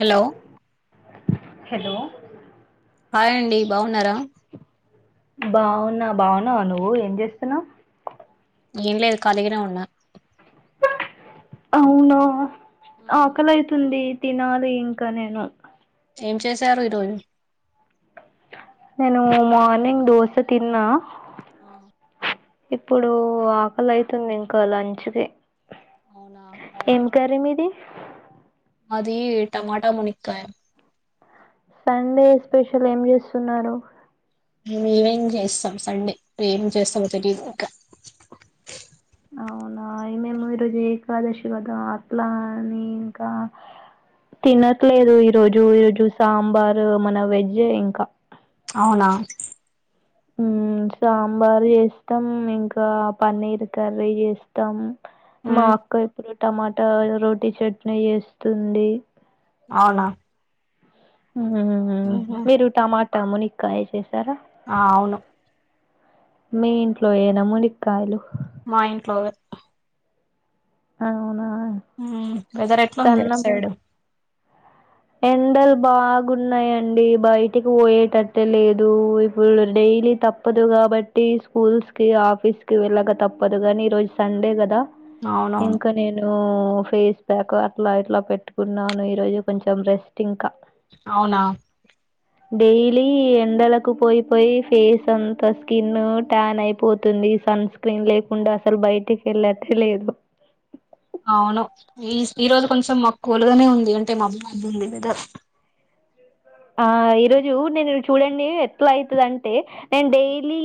Hello hello hi అండి బాగున్నారా బావున్నా బావున్నావా నువ్వు ఏం చేస్తున్నావ్ ఏంలేదు కలిగినే ఉన్నా అవునా ఆ, ఆకలైతుంది తినాలి ఇంకా నేను ఏం చేసారు ఈరోజు నేను మార్నింగ్ దోస తిన్నా ఆ ఇప్పుడు ఆకలి అతుంది ఇంకా లంచ్కి అవునా ఏం కర్రి మీది మాది టమాటా మునిక్కయా సండే స్పెషల్ ఏం చేస్తున్నారు మేం ఏమేం చేస్తాం సండే ఏం చేస్తాం తెలీదు ఇంకా అవునా మేము ఈరోజు ఏ రాదేశివాదం అట్లా అని ఇంకా తినట్లేదు ఈరోజు ఈరోజు సాంబార్ మన వెజే ఇంకా అవునా ఉమ్ సాంబార్ చేస్తాం ఇంకా పన్నీర్ కర్రీ చేస్తాం మా ఉమ్, అక్క ఇప్పుడు టమాటా రోటీ చట్నీ వేస్తుంది అవునా ఉమ్ ఉహు, మీరు టమాటా మునిక్కయి చేసారా ఆ అవును మీ ఇంట్లో ఏనా మునిక్కయలు మా ఇంట్లోవే అవునా ఉమ్ వెదర్ ఎట్లా ఉంది అట్ సైడు ఎన్ డాలు బాగున్నాయండి బయటికి పోయేటట్టె లేదు ఇప్పుడు డైలీ తప్ప తప్పదు కాబట్టి స్కూల్స్ కి ఆఫీస్ కి వెళ్ళగా తప్పదు గానీ ఈ రోజు సండే గదా అవునవును ఇంకా నేను ఫేస్ ప్యాక్ అట్లా ఇట్లా పెట్టుకున్నాను ఈరోజు కొంచెం మొత్తం రెస్ట్ ఇంకా అవునా డైలీ ఎండలకు పోయిపోయి ఫేస్ అంత స్కిన్ టాన్ అయిపోతుంది సన్ స్క్రీన్ లేకుండా అసలు బయటికి వెళ్ళట్ట లేదు అవును ఈ ఈరోజు కొంచెం మాకు కొలుగానే ఉంది అంటే మాబ బాబు ఉంది లేదా [inaudible] ఆ ఈరోజు నేను చూడండి ఎట్లా అవుతుంది అంటే నేను డైలీ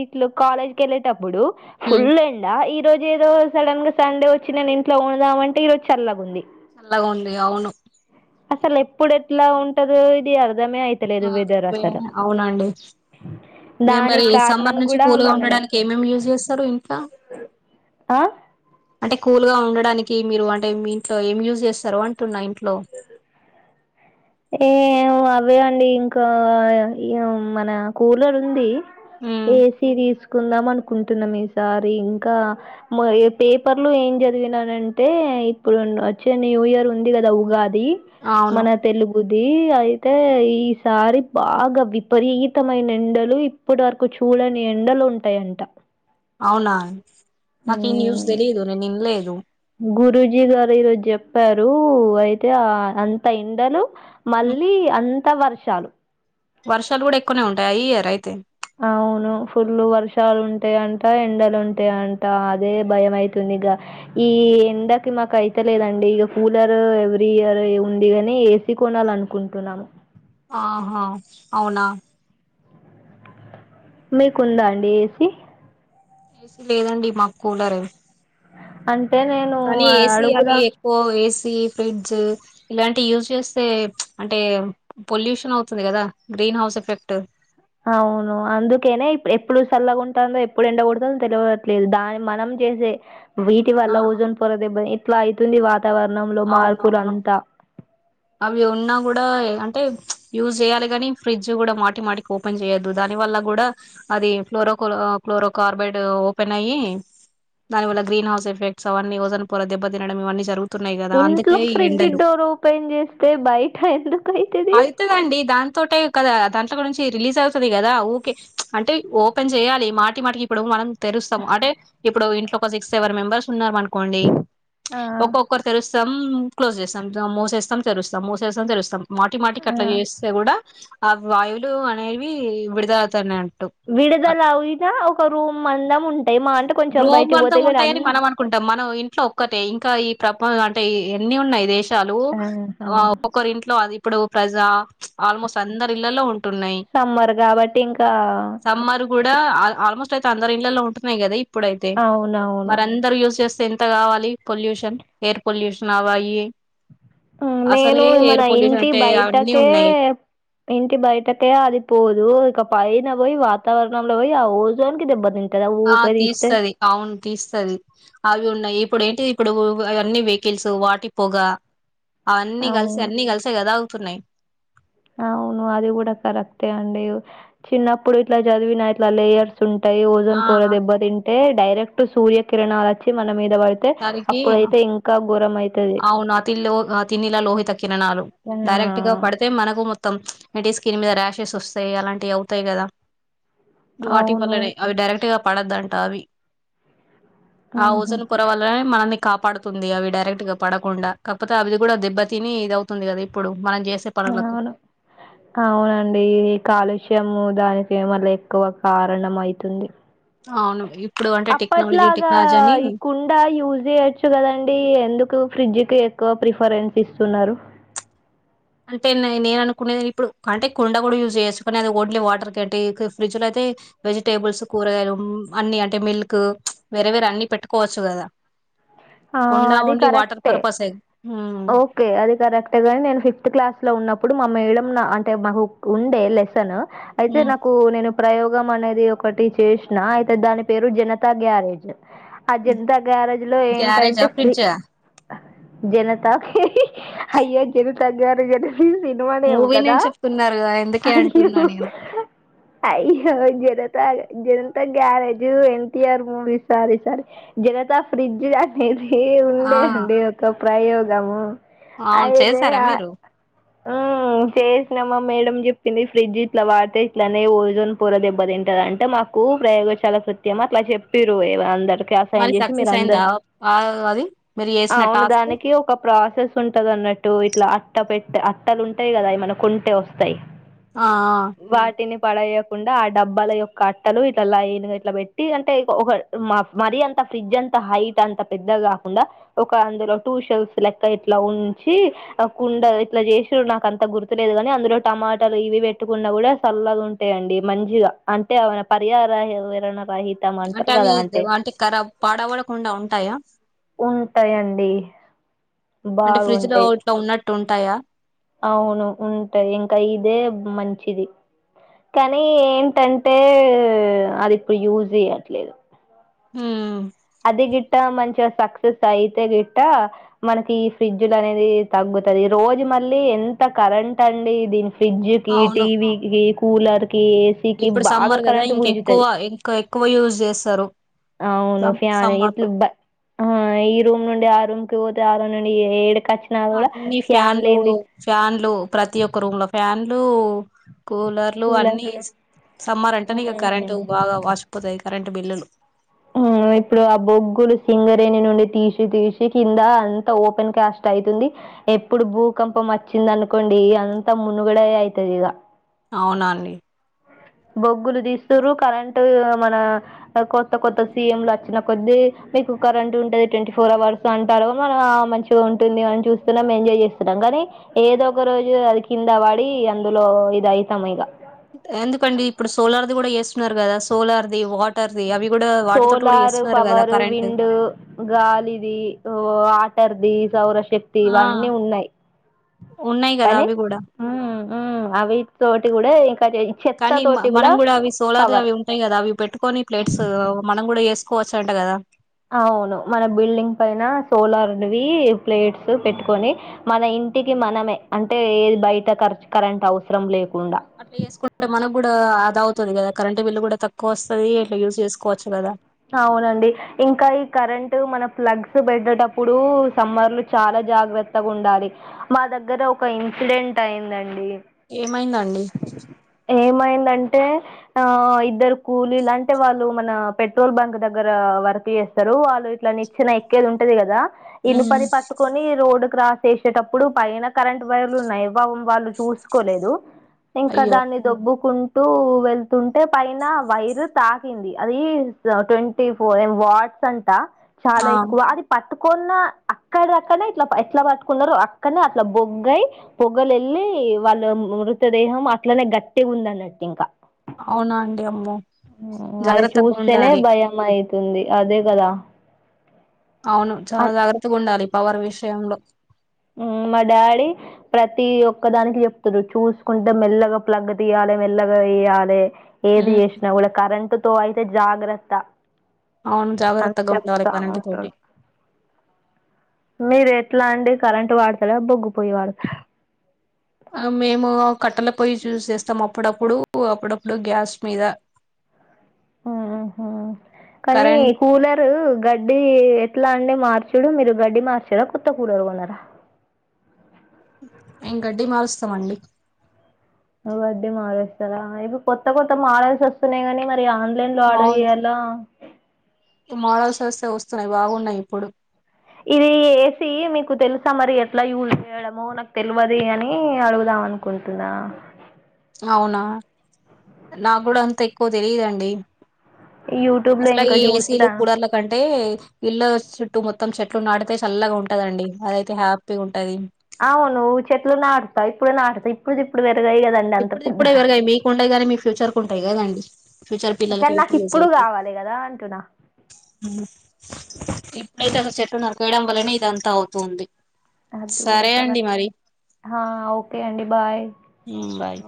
ఇ కాలజ్కిెళ్లేట్ అప్పుడు ఫుల్ ఎండా ఈ రోజు ఏదో సడన్ గా సండే వచ్చి నేను ఇంట్లో ఉడుదామంటే ఈ రోజు చల్లగా ఉంది అల్లగా ఉంది అవును అసలు ఎప్పుడు ఎట్లా ఉంటదు ఇది అర్ మే అవుతలే అదు ఆ, వదర్సలు మరు మరి సమ్బర్ నుంచి కూల్గా ఉండడానికి ఏమేమి యూజ్ చేస్తారు ఇంట్లా ఆ అంటే కూల్ గా ఉండడానికి మీరు అంటే మీ ఇంట్లో ఏమి యూజ్ చేస్తారు అంటున్న ఇంట్లో ఏ అవే అండి ఇంకా మన కూలర్ ఉంది ఏసీ తీసుకు కుందాం అనుకుంటున్నాం ఈసారి ఇంకా పేపర్లు ఏం చదివినానంటే ఇప్పుడు వచ్చే న్యూ ఇయర్ ఉంది కదా ఉగాది అవును మన తెలుగుదియి అతే ఈసారి బాగా విపరీతమైన ఎండలు ఇప్పటి వరకు చూడని ఎండలు ఉంటాయంట అవునా నాక ఈ న్యూస్ తెలియదు నేను నిన్లేదు గురూజీ గారు ఈరోజు చెప్పారు అయితే ఆ అంత ఎండలు మళ్ళీ అంత వర్షాలు వర్షాలు కూడా ఎక్కువనే ఉంటాయి ఈ ఇయర్ అయితే అవును ఫుల్లు వర్షాలు ఉంటాయంట ఎండలుంటాయ అంట అదే భయం అయితుంది ఇ ఈ ఎందక మాకు అయితలేదండి ఇక కూలర్ ఎవ్రీ ఇయర్ ఉంది ని ఏసి కొనాల అనుకుంటున్నాము ఆహా అవునా మీకుందా అండి ఏసి ఏసీ లేదండి మాకు కూలర్ అ కానీ ఏస అవి ఎక్కువ ఏ ఇ అ అ గ్రీన్ హౌస్ ఎఫెక్ట్ అవును అందుకేనే ఇప్పుడు ఎప్పుడు చల్లగాంటుందో ఎప్పుడు ఎండకూడుతుందో తెలియట్లేదు దాని మనం జసే వీటి ఆ వల్ల ఓజోన్ పొరత ఇబ్బంది ఇట్లా అవుతుంది వాతావరణంలో మార్పులు అవునవును అంతా అవి ఉన్నా కూడా అంటే యూజ్ చేయాలి కాని ఫ్రిడ్జ్ కూడా మాటి మాటికి ఓపెన్ చేయొద్దు దానివల్ల వల్ల కూడా అది ఫ్లోరో ఫ్లోరో కార్బైడ్ ఓపెన్ అయ్యి దాని వల్ గ్రీ హౌస్ ఎఫెక్ట్స్ అీ వఓన్ పూర దెబ్బినడం ఇవన్న జరుగుతా ఇంట్లో ఫ్రిడ్జ్ డోర్ ఓపెన్ చేస్తే బయట ఎందుకుైతుది త కదా దాంలో గురించి రిలీజ్ అవుతుంది కదా ఓకే అంటే ఓపెన్ చేయాలి మాటి మాటికి ఇప్పుడు నం తెరుస్తాం అంటే ఇప్పుడు ఇంట్లో ఒక సిక్స్ సెవెన్ మెంబర్స్ ఉన్నారు మనకి ఆ! ం ఒక్కొక్కరు తెలుస్తాం క్లోజ్ చేస్తాం మోసేస్తా మనం తెరుస్తాం మూసేస్తం తెరుస్తాం మాటి మాటికి ఆ! అట్లా చేస్తే కూడా ఆ వాయువులు అనేవి విడదవుతాన్నాడి విడుదల అవినా ఒక రూమ్ అందం ఉంటాయి మా అంటే కొంచెం రూమ్ బయటకి అంతా పోతేా ఉంటాయని కానీ మనం అ అనుకుంటాం మనం ఇంట్లో ఒక్కటే ఇంకా ఈ ప్రపంచం అంటే ఎన్ని ఉన్నాయి దేశాలు ఆహా! ఒకరి ఇంట్లో అది ఇప్పుడు ప్రజా ఆల్మోస్ట్ అందరి ఇళ్లలో ఉంటున్నాయి సమ్మర్ కాబట్టి ఇంకా సమ్మర్ కూడా ఆల్మోస్ట్ అయితే అందరు ఇళ్లలో ఉంటున్నాయి కదా ఇప్పుడ అయితే అవునవును. మరి అందరు యూస్ చేస్త ఎంత కావాలి పొల్యూషన్ ఎయిర్ పొల్యూషన్ అవాయి నేను మన ఇంటి అన్ని బయటకే ఉన్నాయి ఇంటి బయటకే అది పోదు అక పైన పోయి వాతావరణంలో పోయి ఆ ఓజోన్ దెబ్బతి ఆ తీస్తుది అవును తీస్తది అవి ఉన్నాయి ఇప్పుడు ఏంటి ఇప్పుడు అన్నన్ని వెహికల్స్ వాటి పొగ అవన్నీ కలిసి అవును అన్ని కలిసా కదా స్తున్నా అవును అది కూడా కరెక్టే అండి చిన్నప్పుడు ఇట్లా చదివినా ఇట్లా లేయర్స్ ఉంటాయి ఆ ఓజోన్ పొర దెబ్బ తింటే డైరెక్ట్ సూర్యకిరణాలు వచ్చి మన మీద పడితే తారికి అప్పుడైతే ఇంకా ఘోరం అయితది అవును తి ఆ తిన్నిలా లోహి తక్కిన నాలు ఆ డైరెక్ట్ గా పడితే మనకు మొం మొత్తం అంటే స్కిన్ మీద ర్యాషెస్ వస్తాయి అలాంటివి అవుతాయి కదా వాటి అవును వల్లనే అవి డైరెక్ట్గా పడద్దంట అవి ఆ ఓజోన్ పొర మనల్ని కాపాడుతుంది అవి డైరెక్ట్ గా పడకుండా కాకపోతే అవిది కూడా దెబ్బ తని ఇది అవుతుంది కదా ఇప్పుడు మనం చేసే పనులకు అవును అవునండి కాలుష్యము దాని ప్రేమలు ఎక్కువ కారణంమవుతుంది ఆ అవును భై అప్పట్లాగా ఈ కుండ యూజ్ చేయచ్చు కదండి ఎందుకు ఫ్రిడ్జ్కి ఎక్కువ ప్రిఫరెన్స్ ఇస్తున్నారు అంటే నేను అనుకునే ఇప్పుడు అంటే కుండ కూడా యూజ్ చేసుకునే అది ఓడ్లీ వాటర్ క అంటే ఫ్రిడ్జ్ లో అయితే వెజిటేబుల్స్ కూరగాయలు అన్ని అంటే మిల్క్ వేరే వేరే అన్ని పెట్టుకోవచ్చు కదా ఆ కుండా అది ఓన్లీ వాటర్ కరెక్ట్ పర్పసే ఓకే అది కరెక్ట్ేగా నే ఫిక్ క్లా లో ఉన్నప్పుడు మా మే అంటే మాకు ఉండే లెసన్ అయితే నాకు నేను ప్రయోగం అనేది ఒకటి చేసిన అయితే దాని పేరు జనతా గ్యారేజ్ అజంతా గ్యారేజ్ లో ఏంటి తారేజా ఫడ్జా జనత అయ్యో జనత గారు గారు సినిమానేం మూవీనే కదా అని చెప్తున్నారు కదా, ఎందుకే అ్య అంటున్నా నేను అయ్యో జనత గ్యారేజ్ ఎంతయారు మూడి సారి సారి జనత ఫ్రిడ్జ్ ఇది ఆ ఉండే అండి ఒక ప్రయోగము అవును అయితే చేశారా మీరు ఆ చేసినామా మేడడం చెప్పింది ఫ్రిడ్జ్ ఇట్లా వాడితే ఇట్లనే ఓజోన్ పూర దెబ్బ తింటదంటే మాకు కు ప్రయోగ చాలా సత్యమా అట్లా చెప్పిర అందరు అస మరి చేసి మీరు సక్సెస్ అయిందా అందరు ఆ, అది మీరు చేసిన అవున టాస్క్ దానికి ఒక ప్రాసెస్ ఉంటందండి న్నట్టు ఇట్లా అట్ట పెట్ట అట్టలు ఉంటాయి కదా అవి మనకు ఉంటే వస్తాయి ఆ పడయకుండా ఆ డబ్బాల యొక్క అట్టలు ఇట్లా లాయనుగా ఇట్లా పెట్టి అంటే ఒక మరి అంత ఫ్రిడ్జ్ అంతా హైట్ అంత పెద్ద కాకుండా ఒక అందులో టూ షెల్ఫ్స్ లెక్క ఇట్లా ఉంచి ఆ కుండ ఇట్లా చేసిడు నాకు అంత గుర్తులేదు కాని అందులో టమాటాలు ఇవి పెట్టుకున్నా కూడా సల్లగా ఉంటాయియండి మంచిగా అంతే అవునా పరిహార హవు ఎర అంటే అవి అంటే కరాబ్ పాడవడకుండా ఉంటాయా ఉంటాయిండి అంటే ఫ్రిడ్జ్ లో బాగుంటాయి ఇట్లా ఉన్నట్టు ఉంటాయా అవును ఉంటాయి ఇంకా ఇదే మంచిది కానీ ఏంటంటే అది ఇప్పుడు యూజ్ చేయ్యట్లేదు ఉమ్ అది గిట్ట మంచిగా సక్సెస్ అయితే గిట్ట మనకి ఈ ఫ్రిడ్జ్లు అనేది తగ్గు తది రోజు మళ్ళీ ఎంత కరెంట్ అండి దీని ఫ్రిడ్జ్ కి అవును టీవీ కి కూలర్ కి కి ఏసీ కీ ఇప్పుడు బాగా సమ్మర్ కదా కరెంట్ ఇంకెక్కువ గుంజుతది ఇంకా ఎక్కువ యూజ్ చేస్తారు అవును సమ్ సమ్మర్ ఇట్లు లో బ ఈ రూమ్ నుండి ఆ రూమ్ కి పోతే ఆ రూమ్ నుండి ఏ డెక్ అన్ని ఫ్యాన్లు ఫ్యాన్లు ప్రతి ఒక్క రూమ్ లో ఫ్యాన్లు కూలర్లు కూలర్ అన్నిీ లేం సమ్మర్ అంటే నే ఇగ కరెంట్ బాగా వాసిపోతాయి కరెంటు బిల్లులు ఆ ఇప్పుడు ఆ బొగ్గులు సింగరేని నుండి తీసి తీసి కింద అంత ఓపెన్ క్యాస్ట్ అయ్ తుంది ఎప్పుడు భూకంపం వచ్చింది అనుకోండి అంతా మునుగడే అయ్ తుంది ఇగ అవునాండి బొగ్గులు తీస్తుారు కరెం టది గా మన కొత్త కొత్త సీ ఎంలు వచ్చిన కొద్దీ మీకు కరెంటు ఉంటది ట్వంటీ ఫోర్ అవర్ అంటారు మనం మంచిగా ఉంటుంది మనం చూస్తున్నాం ఎంజాయ్ చేస్తున్నాం కానీ ఏదో ఒక రోజు అది కింద వడి అందులో ఇది అయితాం ఇగ ఎందుకండి ఇప్పుడు సోలార్ది కూడా వేస్తున్నారు కదా సోలార్ది వార్ సోలారు కదా పవరు కరెంట్ విండ్ గాలిది వో ఆ టర్ది సౌరశక్తి ఆ ఇవన్నీ ఉన్నాయ్ ఉన్నాయి కదా కానీ అవి కూడా ఉమ్ ఉమ్ అవి తోటి కూడా ఇంకా చెత్త కానీ మ- తోటి కూడా మనం అవి సోలార్ పవర్ అవి ఉంటాయి కదా అవి పెట్టుకొని ప్లేట్స్ మనం కూడా ఏసుకోవచ్చు అంట కదా అవును మన బిల్డింగ్ పైన సోలార్వి ప్లేట్స్ పెట్టుకొని మన ఇంటికి మనమే అంటే ఏది బయట ఖర్చు కరెంట్ అవసరం లేవు అట్లా చేసుకుంటే మనకు కూడా ఆదా అవుతు తుంది కద కరెంట్ బిల్ కూడా తక్కువ వస్తది ఇట్లా యూస్ చేసుకోవచ్చు కదా అవునండి ఇంకా ఈ కరెంట్ మన ప్లగ్స్ పెట్టడేటప్పుడు సమ్మర్లు చాలా జాగ్రత్తగా ఉండాలి మా దగ్గర ఒక ఇన్సిడెంట్ అయిందండి ఏమైందండి అంటే ఆ ఇద్దరు కూలిలాంటె వాళ్ళు మన పెట్రోల్ బంక్ దగ్గర వర్క్ చేస్తారు వాళ్ళు ఇట్లా ని చ్చిన ఎక్కేది ఉంటది కదా ఇన ఉమ్, పది పట్టుకుని రోడ్ క్రాస్ చేసేటప్పుడు పైన కరెంట్ వైర్లు ఉన్నాయ్ వాళ్ళు చూసుకోలేదు ఇంకా అయ్యో దాన్ని దొబ్బుకుంటూ వెళ్తుంటే పైన వైరు తాకింది అది ట్వంటీ ఫోర్ వార్డ్స్ అంటా చాలా ఆ ఎక్కువ అది పట్టు కొన్న అక్కడ అక్కనే ఇట్లా ఎట్లా పట్టుకున్నారో అక్కడనే అట్లా బొగ్గయి బొగ్గలు ఎళ్లి ఈ వాళ్ళ మృతదేహం అట్లనే గట్టిగా ఉంద అన్నట్టు ఇంకా అవునా అండి అమ్మ జాగ్రత్తగా ఇట్లనే ఉండాలి భయం అయితుంది అదే కదా అవును చాలా జాగ్రత్తగా ఉండాలి పవర్ విషయంలో మా డాడీ ప్రతి ఒక్కదానికి చెప్తడు చూసుకుంటే మెల్లగా ప్లగ్ తీయాల్ మెల్లగా వేయాలే ఏది ఉమ్ చేసినా కూడా కరెంటు తో అయితే జాగ్రత్త అవును అ జాగ్రత్తగా ఉండాలి చెప్తా కరెంట్ తోటి ఉంటాడు మీరు ఎట్లా అండి కరెంట్ వాడతారా బొగ్గు పొయ్యి వాడతరా మేము కట్టల పొయ్ చూస్ చేస్తాము అప్పుడప్పుడు అప్పుడప్పుడు గ్యాస్ మీద అ ఆహ కానీ కరెంట్ కూలరు గడ్డి ఎట్లా అండి మార్చుడు మీరు గడ్డి మార్చరా కొత్త కూలరు కొన్నార మేం గడ్డి మారుస్తామండి వడ్డీ మారుస్తారా ఇవి కొత్త కొత్త మాడల్స్ వస్తున్నాయి కానీ మన ఆన్లైన్ లో ఆర్డర్ చేయ్యాలా మడల్స్ వస్తే వస్తున్నాయి బాగున్నాయి ఇప్పుడు ఇది ఎసి మీకు తెలుసా మరి ఎట్లా యూజ్ చేయడమో నాకు తెలియదు అని అడుగుదాం అనుకుంటున్నా అవునా నాకుడ అంత ఎక్కువ తెలియదండి యూట్యూబ్లో అసలు ఇంకా ఈ ఏసీలు చూస్తా. కూలర్లు కం టే ఇల్లు చుట్టూ మొత్తం చెట్లు నాడితే చల్లగా ఉంటదండి అదయితే హ్యాపీగా ఉంటది అవునువ్వు చెట్లు నాడ్త ఇప్పుడు నాడ్త ఇప్పుడుది ఇప్పుడు పెరగయి కదండి అంత ఇప్పుడుది ఇప్పుడే పెద్దగా. పెరగాయి మీకు ఉంటాయి కాగానీ మీ ఫ్యూచర్ కు ఉంటాయి కదండి ఫ్యూచర్ పిల్లలకి కానీ నాకు యూస్ ఇప్పుడు అయితయి కావాలి కదా అంటున్నా. ఇప్పుడైతే అసలు చెట్టు నరికేయడం వల్లనే ఇదంతా అవుతుంది అది కూడా సరే కదా అండి మరి ఓకే అండి బాయ్ ఊ బాయ్